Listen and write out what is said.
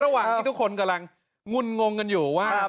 ระหว่างที่ทุกคนกำลังงุ่นงงกันอยู่ว่า